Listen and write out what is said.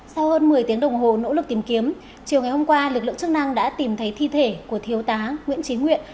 sau hơn một mươi tiếng đồng hồ nỗ lực tìm kiếm chiều ngày hôm qua lực lượng chức năng đã tìm thấy thi thể của thiếu tá nguyễn trí nguyện